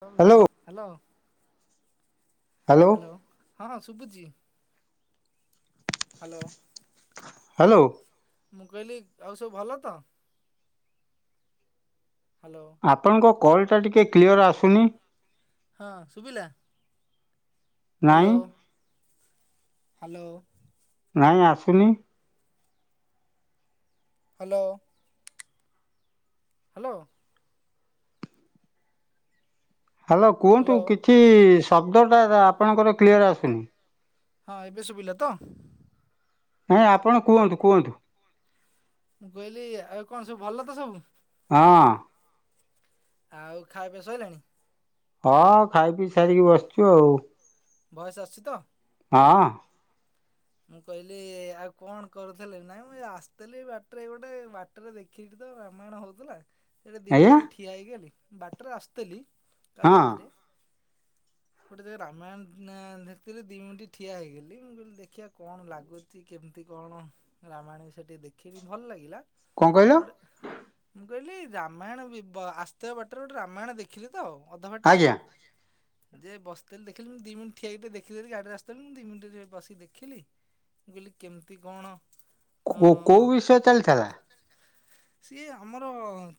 ସବୁ ଭଲ hello hello. ହଁଁ ଶୁବୁଚି ହ୍ୟାଲୋ। ହ୍ୟାଲୋ। ମୁଁ କହିଲି ଆଉ ସବୁ ଭଲ ତ? ହ୍ୟାଲୋ। ଆପଣଙ୍କ କଲ୍ ଟା ଟିକେ କ୍ଲିଅର୍ ଆସୁନି। ହଁ ସୁୁଭିଲା? ହ୍ୟାଲୋ ନାଇଁ ହ୍ୟାଲୋ। ନାଇଁ ଆସୁନି। ହ୍ୟାଲୋ। ହ୍ୟାଲୋ। ହ୍ୟାଲୋ କୁହନ୍ତୁ କିଛି ଶବ୍ଦଟା ଆପଣଙ୍କର କ୍ଲିଅର ଆସୁନି। ହଁ ଏବେ ଶୁଭିଲା ତ? ନାଇଁ ଆ ମୁଁ କହିଲି ଆଉ କଣ ସବୁ ଭଲ ତ ସବୁ? ହଁ। ଆଉ ଖାଇବା ଶଇଲାଣି। ହଁ ଖାଇ ପିଇ ସାରିକି ବସିଛୁ ଆଉ। ବୟସ ଆସଛି ତ? ହଁ। ମୁଁ କହିଲି ଆଉ କଣ କରୁଥିଲି ନାଇଁ ମୁଁ ଆସିଥିଲି ବାଟରେ ଗୋଟେ ବା ଟରେ ଦେଖିକି ତ ରାମାୟଣ ହୋଉଥିଲା। ସେଇଟା ଦି ମୁନି ଆଜ୍ଞା ଟିକେ ଠିଆ ହେଇଗଲି ବାଟରେ ଆସିଥିଲି କାଲି ହଁ ରାତିରେ। ଗୋଟେ ଜାଗା ରାମାୟଣ ଦେଖିଥିଲି ଦି ମିଣ୍ଟି ଠିଆ ହେଇଗଲି ମୁଁ କହିଲି ଦେଖିଆ। କଣ ଲାଗୁଛି କେମିତି କଣ ରାମାୟଣ ବିଷୟରେ ଟିକେ ଦେଖିବି ଭଲ ଲାଗିଲା। କଣ କହିଲ ଗୋଟେ ମୁଁ କହିଲି ରାମାୟଣ ଆସ୍ତେ ବାଟରେ ଗୋଟେ ରାମାୟଣ ଦେ ଦେଖିଲି ତ ଅଧା ବାଟରେ। ଆଜ୍ଞା ଯେ ବସିଥିଲି ଦେଖିଲି ମୁଁ ଦି ମିଣ୍ଟି ଠିଆ ହେଇକି ଦେଖିଦେଲି ଗଡ଼ିରେ ଆସିଥିଲି ମୁଁ ଦି ମିଣ୍ଟି ଟିକେ ବସିକି ଦେଖିଲି। ମୁଁ କହିଲି କେମିତି କଣ? କୋ କୋଉ ଅଁ, ବିଷୟ ରେ ଚାଲିଥିଲା। ସିଏ ଆମର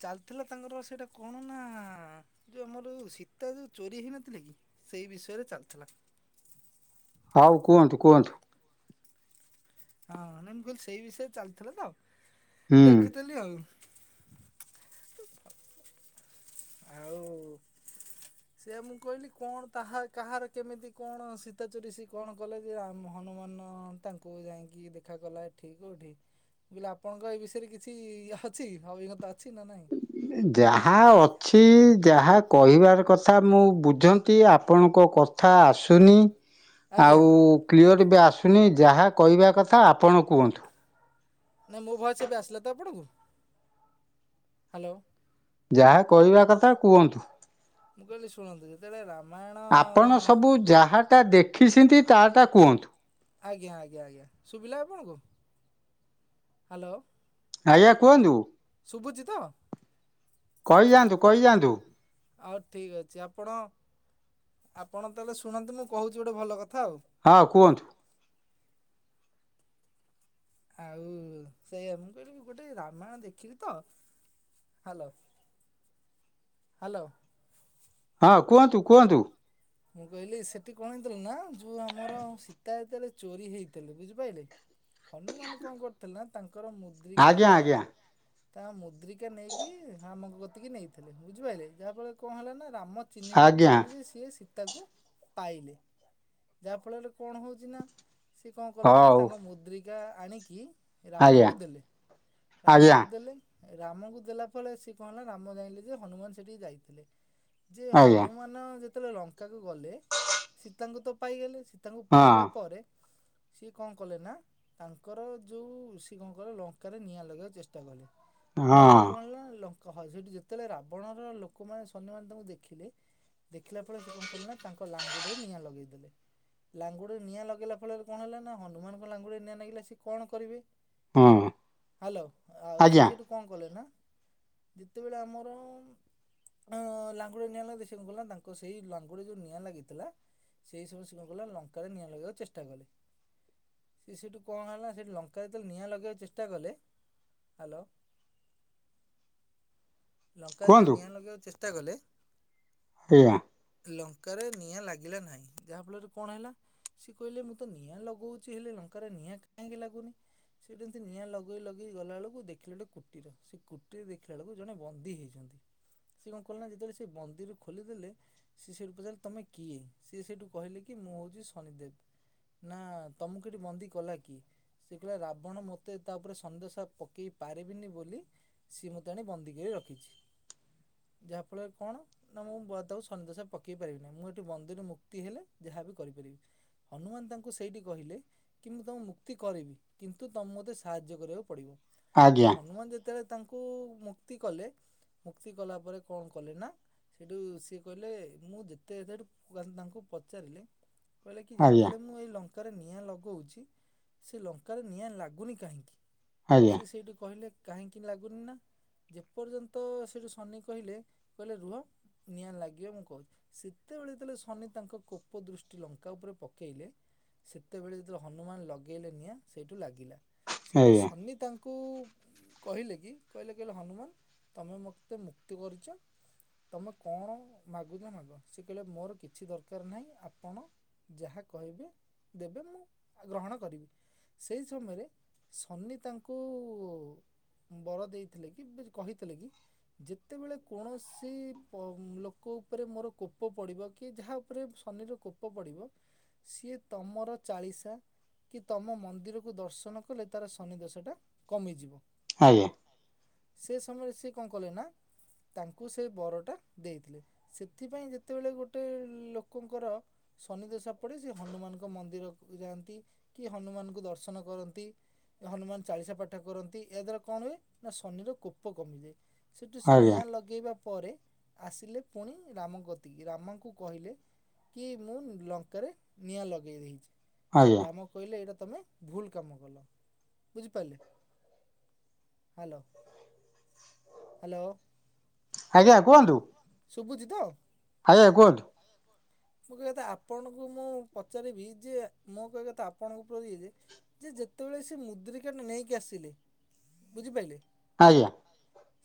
ଚାଲିଥିଲା ତାଙ୍କର ସେଇଟା କଣ ନା ଯୋଉ ଆମର ସୀତା ଯୋଉ ଚୋରି ହେଇନଥିଲା କି ସେଇ ବିଷୟରେ ଚାଲିଥିଲା। ହଉ କୁହନ୍ତୁ କୁହନ୍ତୁ। ହଁ ନାଇଁ ମୁଁ କହିଲି ସେଇ ବିଷୟରେ ଚାଲିଥିଲା ତ ହୁଁ ଦେଖୁଥିଲି ଆଉ। ଆଉ ସେଇଆ ମୁଁ କହିଲି କଣ ତାହା କାହାର କେମିତି କଣ ସୀତାଚୋରି ସେ କଣ? ଗଲେ ଯେ ର ହନୁମାନ ତାଙ୍କୁ ଯାଇକି ଦେଖା କଲା ଏଠି କୋଉଠି। ବୁଲେ ଆପଣଙ୍କ ଏ ବିଷୟରେ କିଛି ଇଏ ଅଛି ଅଭିଜ୍ଞତା ଅଛି ନା ନହିଁ। ଯାହା ଅଛି ଯାହା କହିବାର କଥା ମୁଁ ବୁଝନ୍ତି ଆପଣଙ୍କ କଥା ଆସୁନି। ଆଜ୍ଞା ଆଉ କ୍ଲିଅର ଏବେ ଆସୁନି ଯାହା କହିବା କଥା ଆପଣ କୁହନ୍ତୁ। ନାଇଁ ମୋ ଭଏସ୍ ଏବେ ଆସିଲା ତ ଆପଣକୁ ହ୍ୟାଲୋ ଯାହା କହିବା କଥା କୁହନ୍ତୁ ମୁଁ କହିଲି ଶୁଣନ୍ତୁ ଯେତେବେଳେ ରାମାୟଣ ତୁ ଯାହାକୁ ତା ଦେଖି ଚନ୍ତି ତାଟା କୁହନ୍ତୁ ଆଜ୍ଞା ଆଜ୍ଞା ଆଜ୍ଞା ଶୁଭିଲା ଆପଣଙ୍କୁ ହାଲୋ। ଆଜ୍ଞା କୁହନ୍ତୁ? ଶୁଭୁଛିି ତ। କହିଯାନ୍ତୁ କହିଯାନ୍ତୁ। ହଉ ଠିକ୍ ଅଛି ଆପଣ ଆପଣ ତାହାଲେ ଶୁଣନ୍ତୁ ମୁଁ କହୁଛି ଗୋଟେ ଭଲ କଥା ଆଉ। ହଁ କୁହନ୍ତୁ। ଆଉ ସେଇଆ ମୁଁ କହିଲି ଗୋଟେ ରାମାୟଣ ଦେଖିଲି ତ। Hello hello. ହଁ କୁହନ୍ତୁ କୁହନ୍ତୁ। ମୁଁ କହିଲି ସେଠି କଣ ହେଇଥିଲା ନା ଯୋଉ ଆମର ସୀତା ଯେତେଳେ ଚୋରି ହେଇଥିଲେ ବୁଝିପାରିଲେ। ହନୁମାନ କଣ କରୁଥିଲେ ତାଙ୍କର ମୁଦ୍ରିକା ଆଜ୍ଞା ଆଜ୍ଞା ତା ମୁଦ୍ରି କା ନେଇକି ରାମକ ଗତିକି ନେଇଥିଲେ ବୁଝିପାରିଲେ। ଯାହା ଫଳରେ କଣ ହେଲା ନା ରାମ ଚିହ୍ନିବାକୁ ଆଜ୍ଞା ପାଇଲି ଯେ ସିଏ ସି ତାକୁ ପାଇଲେ ଯାହା ଫଳରେ କଣ ହଉଛି ନା ସେ କଣ କଲେ ନା ହଉ ତାଙ୍କ ମୁଦ୍ରିକା ଆଣିକି ଆଜ୍ଞା ରାମଙ୍କୁ ଦେଲେ ଆଜ୍ଞା ରାମଙ୍କୁ ଦେଲେ। ରାମକୁ ଦେଲା ଫଳେ ସେ କଣ ହେଲା ରାମ ଜାଇଁଲେ ଯେ ହନୁମାନ ସେଠିକି ଯାଇଥିଲେ। ଯେ ଆଜ୍ଞା ହନୁମାନ ଯେତେବେଳେ ଲଙ୍କାକୁ ଗଲେ ସୀତାଙ୍କୁ ତ ପାଇଗଲେ। ସୀତାଙ୍କୁ ହଁ ପାଇବା ପରେ ସିଏ କଣ କଲେ ନା ତାଙ୍କର ଯୋଉ ସିଏ କଣ କଲେ ଲଙ୍କାରେ ନିଆଁ ଲଗେଇବାକୁ ଚେଷ୍ଟା କଲେ। ଯାହା ହଁ ଫଳରେ କଣ ହେଲା ନା। ହ ସେଠି ଯେତେବେଳେ ରାବଣର ଲୋକମାନେ ସୈନ୍ୟମାନେ ତାଙ୍କୁ ଦେଖିଲେ ଦେଖିଲା ଫଳେ ସେ କଣ ତାଙ୍କ ଲାଙ୍ଗୁଡରେ ନିଆଁ ଲଗେଇଦେଲେ। ଲାଙ୍ଗୁଡ ରେ ନିଆଁ ଲଗାଇଲା ଫଳରେ କଣ ହେଲା ନା ହନୁମାନଙ୍କ ଲାଙ୍ଗୁଡ ନିଆଁ ଲାଗିଲା ସେ କଣ କରିବେ? ହଁ ହାଲୋ ଆଉ ସେ ଆଜ୍ଞା ସେଇଠୁ କଣ କଲେ ନା ଯେତେବେଳେ ଆମର ଲାଙ୍ଗୁଡ ନିଆଁ ଲାଗି ସେ କଣ କଲେ ନା ତାଙ୍କ ସେଇ ଲାଙ୍ଗ ଯୋଉ ନିଆଁ ଲାଗିଥିଲା ସେଇ ସମୟ କଣ କଲା ଲଙ୍କାରେ ନିଆଁ ଲଗେଇବାକୁ ଚେଷ୍ଟା କଲେ। ସେ ସେଠୁ କଣ ହେଲା ନା ସେ ଲଙ୍କାରେ ଯେତେ ନିଆଁ ଲଗେଇବାକୁ ଚେଷ୍ଟା କଲେ। ହାଲୋ ଲଙ୍କା କୁହନ୍ତୁ ଯେତେଲେ ନିଆଁ ଲଗେଇବାକୁ ଚେଷ୍ଟା କଲେ ସେଇଆ। ଲଙ୍କାରେ ନିଆଁ ଲାଗିଲା ନାହିଁ, ଯାହାଫଳରେ କଣ ହେଲା? ସେ କହିଲେ ମୁଁ ତ ନିଆଁ ଲଗଉଛି ହେଲେ ଲଙ୍କାରେ ନିଆଁ କାହିଁକି ଲାଗୁନି। ସେ ଏମିତି ନିଆଁ ଲଗେଇ ଲଗେଇ ଗଲାବେଳକୁ ଦେଖିଲେ ଗୋଟେ କୁଟୀର। ସେ କୁଟିରରେ ଦେଖିଲା ବେଳକୁ ଜଣେ ବନ୍ଦୀ ହେଇଛନ୍ତି। ସେ କଣ କଲେ ନା ଯେତେବେଳେ ସେ ବନ୍ଦିରୁ ଖୋଲିଦେଲେ ସେ ସେଇଠୁ ପଚାରିଲେ ତମେ କିଏ? ସିଏ ସେଇଠୁ କହିଲେ କି ମୁଁ ହଉଛି ଶନିଦେବ୍। ନା ତମକୁ ଏଠି ବନ୍ଦୀ କଲା କିଏ? ସେ କହିଲା ରାବଣ ମୋତେ ତା ଉପରେ ସନ୍ଦେଶା ପକେଇ ପାରିବିନି ବୋଲି ସିଏ ମୋତେ ଆଣି ବନ୍ଦୀ କରି ରଖିଛି। ଯାହାଫଳରେ କଣ ନା ମୁଁ ବଦ [unintelligible] ସନିଦଶା ପକେଇ ପାରିବି ନାହିଁ ମୁଁ ଏଠି ବନ୍ଦୀରୁ ମୁକ୍ତି ହେଲେ ଯାହା ବିି କରିପାରିବି। ହନୁମାନ ତାଙ୍କୁ ସେଇଠି କହିଲେ କି ତମକୁ ମୁକ୍ତି କରିବି କିନ୍ତୁ ତମେ ମୋତେ ସାହାଯ୍ୟ କରିବାକୁ ପଡ଼ିବ ଆଜ୍ଞା ସେଉଠୁ ହନୁମାନ ଯେ ଯେତେବେଳେ ତାଙ୍କୁ ମୁକ୍ତି କଲେ ମୁକ୍ତି କଲା ପରେ କଣ କଲେ ନା ସେଇଠୁ ସିଏ କହିଲେ ମୁଁ ଯେତେ ଯେତାଡୁ ତାଙ୍କୁ ପଚାରିଲେ କହିଲେ କି ଆଜ୍ଞା ଯେତେବେଳେ ମୁଁ ଏଇ ଲଙ୍କା ଲଙ୍କାରେ ନିଆଁ ଲଗେଉଛି ସେ ଲଙ୍କାରେ ନିଆଁ ଲାଗୁନି କାହିଁକି ଆଜ୍ଞା ସେ ସେଇଠୁ କହିଲେ କାହିଁକି ଲାଗୁନି ନା ଯେ ପର୍ଯ୍ୟନ୍ତ ସେଇଠୁ ଶନି କହିଲେ କହିଲେ ରୁହ ନିଆଁ ଲାଗିଲେ ମୁଁ କହୁଛି ସେତେବେଳେ ଯେତେବେଳେ ଶନି ତାଙ୍କ କୋପ ଦୃଷ୍ଟି ଲଙ୍କା ଉପରେ ପକେଇଲେ ସେତେବେଳେ ଯେତେବେଳେ ହନୁମାନ ଲଗେଇଲେ ନିଆଁ ସେଇଠୁ ଲାଗିଲା ସେଇଠୁ ଆଜ୍ଞା ଶନି ତାଙ୍କ କୁ କହିଲେ କି କହିଲେ କହିଲେ ହନୁମାନ ତମେ ମୋତେ ମୁକ୍ତି କରିଛ ତମେ କଣ ମାଗୁଛ ମାଗ ସେ କହିଲେ ମୋର କିଛି ଦରକାର ନାହିଁ ଆପଣ ଯାହା କହିବେ ଦେବେ ମୁଁ ଗ୍ରହଣ କରିବି ସେଇ ସମୟରେ ଶନି ତାଙ୍କୁ ବର ଦେଇଥିଲେ କି କହିଥିଲେ କି ଯେତେବେଳେ କୌଣସି ଲୋକ ଉପରେ ମୋର କୋପ ପଡ଼ିବ କି ଯାହା ଉପରେ ଶନିର କୋପ ପଡ଼ିବ ସିଏ ତମର ଚାଳିଶା କି ତମ ମନ୍ଦିରକୁ ଦର୍ଶନ କଲେ ତାର ଶନିଦଶା ଟା କମିଯିବ ଆଜ୍ଞା ସେ ସମୟରେ ସେ କଣ କଲେ ନା ତାଙ୍କୁ ସେ ବରଟା ଦେଇଥିଲେ ସେଥିପାଇଁ ଯେତେବେଳେ ଗୋଟେ ଲୋକଙ୍କର ଶନିଦଶା ପଡ଼େ ସେ ହନୁମାନଙ୍କ ମନ୍ଦିର ଯାଆନ୍ତି କି ହନୁମାନଙ୍କୁ ଦର୍ଶନ କରନ୍ତି ହନୁମାନ ଚାଳିଶା ପାଠ କରନ୍ତି ଏହା ଦ୍ଵାରା କଣ ହୁଏ ନା ଶନିର କୋପ କମିଯାଏ ସେଠୁ ସେ ଆଜ୍ଞା ନିଆଁ ଲଗେଇବା ପରେ ଆସିଲେ ପୁଣି ରାମ କତିକି ରାମଙ୍କୁ କହିଲେ କି ମୁଁ ଲଙ୍କାରେ ନିଆଁ ଲଗେଇ ଦେଇଛି ଆଜ୍ଞା ରାମ କହିଲେ ଏଇଟା ତୁମେ ଭୁଲ କାମ କଲ ବୁଝିପାରିଲେ ହ୍ୟାଲୋ ହ୍ୟାଲୋ ଆଜ୍ଞା କୁହନ୍ତୁ ଶୁଭୁଛି ତ ଆଜ୍ଞା କୁହନ୍ତୁ ଏଇଆ କହନ୍ତି ମୁଁ କହିବା କଥା ଆପଣଙ୍କୁ ମୁଁ ପଚାରିବି ଯେ ମୁଁ କହିବା କଥା ଆପଣଙ୍କ ଉପ ଯେ ଯେ ଯେତେବେଳେ ସେ ମୁଦ୍ରିକାଟା ନେଇକି ଆସିଲେ ବୁଝିପାରିଲେ ଆଜ୍ଞା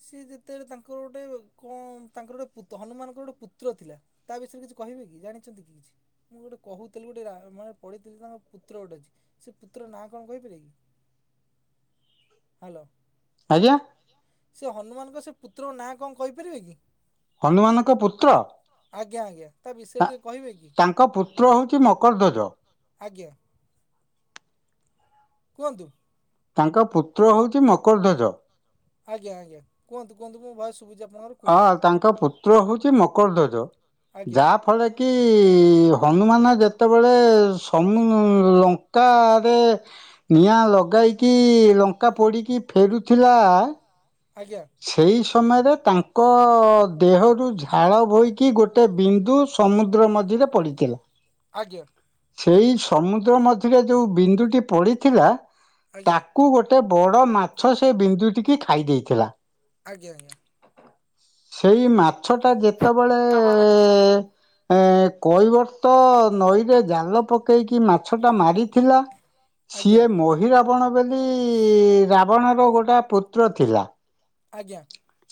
ସିଏ ଯେତେବେଳେ ତାଙ୍କର ଗୋଟେ କଣ ତାଙ୍କର ଗୋଟେ ପୁତ ହନୁମାନ ତାଙ୍କର ଗୋଟେ ପୁତ୍ର ଥିଲା ତା ବିଷୟରେ କିଛି କହିବେ କି ଜାଣିଛନ୍ତି କି କିଛି ମୁଁ ଗୋଟେ କହୁଥିଲି ଗୋଟେ ମାନେ ପଢ଼ଥିଲି ତାଙ୍କ ପୁତ୍ର ଗୋଟେ ଅଛି ସେ ପୁତ୍ରର ନାଁ କଣ କହିପାରେ କି ହ୍ୟାଲୋ ଆଜ୍ଞା ସେ ହନୁମାନଙ୍କ ସେ ପୁତ୍ରଙ୍କ ନାଁ କଣ କହିପାରିବେ କି ହନୁମାନଙ୍କ ପୁତ୍ର ଆଜ୍ଞା ଆଜ୍ଞା ତା ବିଷୟରେ ଟିକେ କହିବେ କି ତା ତାଙ୍କ ପୁତ୍ର ହେଉଛି ମକରଧ୍ୱଜ ଆଜ୍ଞା କୁହନ୍ତୁ ତାଙ୍କ ପୁତ୍ର ହଉଛି ମକର ଧ୍ୱଜ। ଆଜ୍ଞା, ଆଜ୍ଞା, କୁହନ୍ତୁ, କୁହନ୍ତୁ ମୋ ଭଏସ୍ ଶୁଭୁଛି ଆପଣଙ୍କର। କୁହନ୍ତୁ ହଁ ତାଙ୍କ ପୁତ୍ର ହଉଛି ମକର ଧ୍ୱଜ। ଆଜ୍ଞା ଯାହା ଫଳରେ କି ଇଏ ହନୁମାନ ଯେତେବେଳେ ସମୁନୁ ଲଙ୍କାରେ ନିଆଁ ଲଗାଇକି ଲଙ୍କା ପୋଡ଼ିକି ଫେରୁଥିଲା ଆଜ୍ଞା। ସେଇ ସମୟରେ ତାଙ୍କ ଦେହରୁ ଝାଳ ବୋହିକି ଗୋଟେ ବିନ୍ଦୁ ସମୁଦ୍ର ମଝିରେ ପଡ଼ିଥିଲା। ଆଜ୍ଞା ସେଇ ସମୁଦ୍ର ମଝିରେ ଯୋଉ ବିନ୍ଦୁଟି ପଡିଥିଲା ଆଜ୍ଞା ତାକୁ ଗୋଟେ ଗୋଟେ ବଡ଼ ମାଛ ସେ ବିନ୍ଦୁ ଟିକି ଖାଇ ଦେଇଥିଲା। ଆଜ୍ଞା ଆଜ୍ଞା। ସେଇ ମାଛ ଟା ଯେତେବେଳେ ଏ କୈବର୍ତ୍ତ ନଈରେ ଜାଲ ପକେଇକି ମାଛଟା ମାରି ଥିଲା ଆଜ୍ଞା ସିଏ ମ ଅହିରାବଣ ବୋଲି ରାବଣର ଗୋଟଏ ପୁତ୍ର ଥିଲା ଆଜ୍ଞା।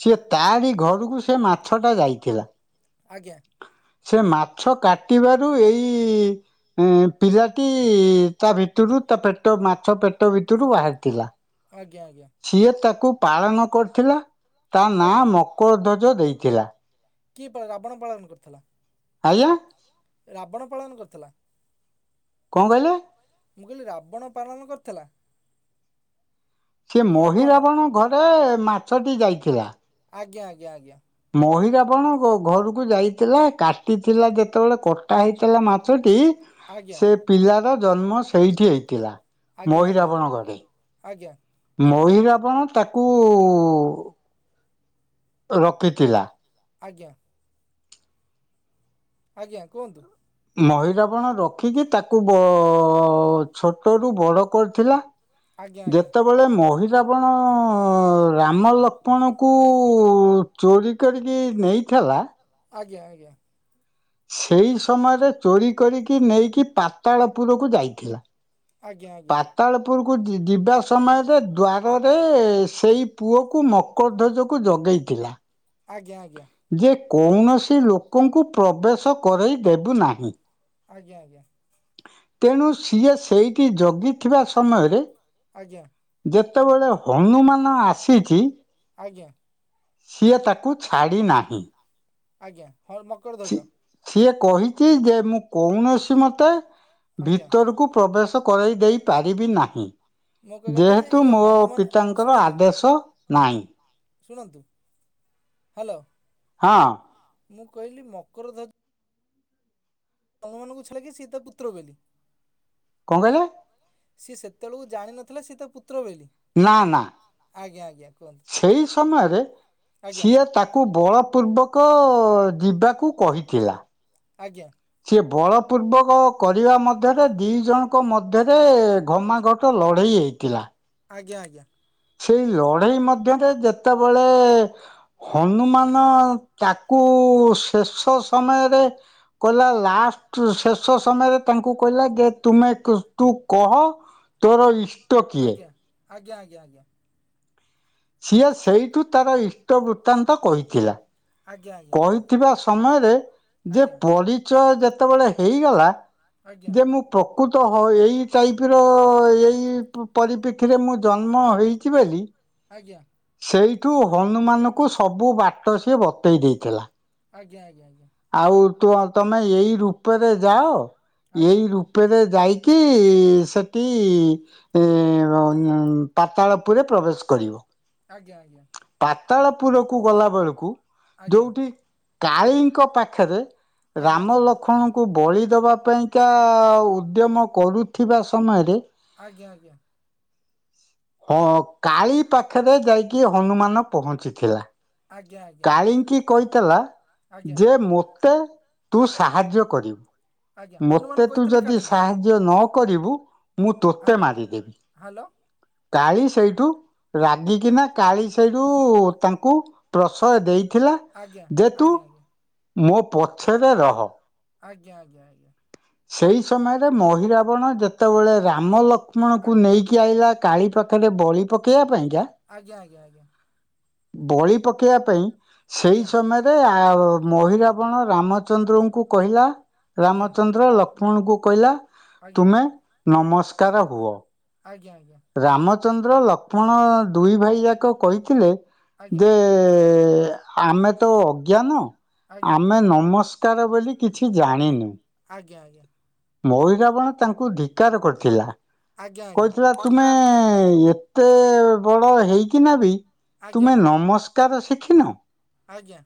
ସିଏ ତାରି ଘରକୁ ସେ ମାଛ ଟା ଯାଇଥିଲା। ଆଜ୍ଞା। ସେ ମାଛ କାଟିବାରୁ ଏଇ ପିଲାଟି ତା ଭିତରୁ ତା ପେଟ ମାଛ ପେଟ ଭିତରୁ ବାହାରିଥିଲା। ଆଜ୍ଞା-ଆଜ୍ଞା। ସିଏ ତାକୁ ପାଳନ କରିଥିଲା ତା ନାଁ ଆଜ୍ଞା ଆଜ୍ଞା। ମକରଧ୍ୱଜ ଦେଇଥିଲା। କିଏ ପାଳନ, ରାବଣ ପାଳନ କରିଥିଲା। ଆଜ୍ଞା? ରାବଣ ପାଳନ କରିଥିଲା। କଣ କହିଲେ? ମୁଁ କହିଲି ରାବଣ ପାଳନ କରିଥିଲା? ସିଏ ରାବଣ ମହିରାବଣ ଘରେ ମାଛଟି ଯାଇଥିଲା। ଅଜ୍ଞା-ଆଜ୍ଞା-ଆଜ୍ଞା। ମହିରାବଣ ଘରକୁ ଯାଇଥିଲା କାଟିଥିଲା ଯେତବେଳେ କଟା ହେଇଥିଲା ମାଛଟି ଆଜ୍ଞା ସେ ପିଲାର ଜନ୍ମ ସେଇଠି ହେଇଥିଲା। ଆଜ୍ଞା ମହିରାବଣ ଘରେ। ଆଜ୍ଞା ଆଜ୍ଞା ମହିରାବଣ ତାକୁ ରଖିଥିଲା। ଆଜ୍ଞା। ଆଜ୍ଞା କୁହନ୍ତୁ। ମହିରାବଣ ରଖିକି ତାକୁ ବ ଛୋଟ ରୁ ବଡ କରିଥିଲା। ଆଜ୍ଞା ଆଜ୍ଞା ଯେତେବେଳେ ମହିରାବଣ ରାମ ଲକ୍ଷ୍ମଣଙ୍କୁ କୁ ଚୋରି କରିକି ନେଇଥେଲା। ଆଜ୍ଞା-ଆଜ୍ଞା। ସେଇ ସମୟରେ ଚୋରି କରିକି ନେଇକି ପାତାଳପୁରକୁ ଯାଇଥିଲା। ଆଜ୍ଞା-ଆଜ୍ଞା। ପାତାଳପୁରକୁ ଯିବା ସମୟରେ ଦ୍ୱାରରେ ସେଇ ପୁଅକୁ ମକରଧ୍ୱଜ କୁ ଜଗେଇଥିଲା। ଆଜ୍ଞା-ଆଜ୍ଞା। ଯେ କୌଣସି ଲୋକଙ୍କୁ ପ୍ରବେଶ କରେଇ ଦେବୁ ନାହିଁ। ଆଜ୍ଞା ଆଜ୍ଞା। ତେଣୁ ସିଏ ସେଇଟି ଜଗିଥିବା ସମୟରେ ଆଜ୍ଞା ଆଜ୍ଞା ଯେତେବେଳେ ହନୁମାନ ଆସିଚି ଆଜ୍ଞା। ସିଏ ତାକୁ ଛାଡ଼ିନାହିଁ। ଆଜ୍ଞା ହଁ ମକରଧ୍ୱଜ। ସିଏ କହିଛି ଯେ ମୁଁ କୌଣସି ମତେ ଆଜ୍ଞା ଭିତରକୁ ପ୍ରବେଶ କରେଇ ଦେଇ ପାରିବି ନାହିଁ। ମୋ କହିବା କଥା ଯେ ଯେହେତୁ ଇଏ ମୋ ହନୁମାନ ପିତା ଙ୍କର ଶୁଣନ୍ତୁ ଆଦେଶ ନାହିଁ। ଶୁଣନ୍ତୁ ହ୍ୟାଲେ। ହଁ। ମୁଁ କହିଲି ମକରଧ୍ବ ତମ ମାନଙ୍କୁ ଛାଡ଼ିକି ସିଏ ତା ପୁତ୍ର କହିଲି। କଣ କହିଲେ? ସିଏ ସେତେ ବେଳକୁ ଜାଣିନଥିଲା ସିଏ ତା ପୁତ୍ର ବେଲି? ନା-ନା ସେଇ ସମୟରେ ଆଜ୍ଞା ସିଏ ତା ତାକୁ ବଳପୂର୍ବକ ଯିବାକୁ କହିଥିଲା। ଆଜ୍ଞା। ସିଏ ବଳ ପୂର୍ବକ କରିବା ମଧ୍ୟରେ ଦି ଜଣ ଙ୍କ ମଧ୍ୟରେ ଘମାଘେ ଟ ଲଢ଼େଇ ହେଇଥିଲା। ଆଜ୍ଞା ଆଜ୍ଞା। ସେଇ ଲଢ଼େଇ ମଧ୍ୟରେ ଯେତେବେଳେ ହନୁମାନ ତାକୁ ଶେଷ ସମୟ ରେ କହିଲା ଲାଷ୍ଟ ଶେଷ ସମୟରେ ତାଙ୍କୁ କହିଲା ଯେ ତୁମେ ତୁ କହ ତୋର ଇ ଆଜ୍ଞା ଆଜ୍ଞା ଆଜ୍ଞା ଆଜ୍ଞା। ସିଏ ସେଇଠୁ ତାର ଇଷ୍ଟ ବୃତ୍ତାନ୍ତ କହିଥିଲା। ଆଜ୍ଞା ଆଜ୍ଞା। କହିଥିବା ସମୟରେ ଯେ ଆଜ୍ଞା ପରିଚୟ ଯେତେବେଳେ ହେଇଗଲା। ଆଜ୍ଞା ଯେ ମୁଁ ପ୍ରକୃତ ହ ଏଇ ଟାଇପ ର ଏଇ ପରିପ୍ରେକ୍ଷୀରେ ମୁଁ ଜନ୍ମ ହୋଇଛି ବୋଲି। ଆଜ୍ଞା। ସେଇଠୁ ହନୁମାନଙ୍କୁ ସବୁ ବାଟ ସିଏ ବତେଇ ଦେଇଥିଲା। ଆଜ୍ଞା ଆଜ୍ଞା ଆଜ୍ଞା। ଆଉ ତୁ ତମେ ଏଇ ରୂପରେ ଯାଅ ଆଜ୍ଞା ଏଇ ରୂପ ରୂପ ରେ ଯାଇକି ସେଠି ଏ ପାତାଳ ପୁରରେ ପ୍ରବେଶ କରିବ। ଆଜ୍ଞା ଆଜ୍ଞା। ପାତାଳପୁର କୁ ଗଲା ବେଳକୁ ଆଜ୍ଞା ଯୋଉଠି କାଳୀ ଙ୍କ ପାଖରେ ଆଜ୍ଞା ଆଜ୍ଞା ଆଜ୍ଞା ରାମ ଲକ୍ଷ୍ମଣ କୁ ବଳି ଦେବା ପାଇଁକା ଉଦ୍ୟମ କରୁଥିବା ସମୟରେ ଆଜ୍ଞା ଆଜ୍ଞା। ହଁ କାଳି ପାଖରେ ଯାଇକି ହନୁମାନ ପହଞ୍ଚିଥିଲା। କାଳି ଆଜ୍ଞା। ଆଜ୍ଞା ଆଜ୍ଞା ଆଜ୍ଞା ଙ୍କି କହିଥିଲା ଆଜ୍ଞା ଯେ ମୋତେ ତୁ ସାହାଯ୍ୟ କରିବୁ। ଆଜ୍ଞା ହନୁମାନ ମୋତେ ତୁ କହିଥିଲେ ଯଦି କାଳିଙ୍ଗି। ସାହାଯ୍ୟ ନ କରିବୁ ମୁଁ ତୋତେ ହାଲ ମାରିଦେବି। ହ୍ୟାଲୋ କାଳି ସେଇଠୁ ରାଗିକିନା କାଳି ସେଇଠୁ ତାଙ୍କୁ ପ୍ରସୟ ଦେଇ ଥିଲା ଆଜ୍ଞା ଯେ ତୁ ଆଜ୍ଞା ଆଜ୍ଞା ମୋ ପଛରେ ରହ। ଆଜ୍ଞା ଆଜ୍ଞା ଆଜ୍ଞା। ସେହି ସମୟରେ ମହିରାବଣ ଯେତେବେଳେ ରାମ ଲକ୍ଷ୍ମଣକୁ ଆଜ୍ଞା ଆଜ୍ଞା ନେଇକି ଆଇଲା କାଳି ପାଖରେ ବଳି ପକାଇବା ପାଇଁକା। ଆଜ୍ଞା ଆଜ୍ଞା ଆଜ୍ଞା। ବଳି ପକେଇବା ପାଇଁ ସେଇ ଆଜ୍ଞା ଆଜ୍ଞା ସମୟ ରେ ମହିରାବଣ ରାମଚନ୍ଦ୍ରଙ୍କୁ କହିଲା ଆଜ୍ଞା ରାମ ଚନ୍ଦ୍ର ଲକ୍ଷ୍ମଣଙ୍କୁ କହିଲା ଆଜ୍ଞା ଆଜ୍ଞା। ତୁମେ ନମସ୍କାର ହୁଅ ଆଜ୍ଞା ଆଜ୍ଞା। ରାମଚନ୍ଦ୍ର ଲକ୍ଷ୍ମଣ ଦୁଇ ଭାଇ ଯାକ କହିଥିଲେ ଆଜ୍ଞା ଯେ ଏ ଆମେ ତ ଅଜ୍ଞାନ ଆଜ୍ଞା ଆମେ ନମସ୍ ତାର ବୋଲି କିଛି ଜାଣିନି। ଆଜ୍ଞା ଆଜ୍ଞା। ମହିରାବଣ ତାଙ୍କୁ ଧିକାର କରିଥିଲା ଆଜ୍ଞା ଆଜ୍ଞା ଆଜ୍ଞା କହିଥିଲା ତୁମେ ଏ ଏତେ ବଡ ହେଇକିନା ବି ଆଜ୍ଞା ଆଜ୍ଞା ତୁମେ ନମସ୍କାର ଶିଖିନ। ଆଜ୍ଞା।